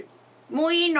もういいの？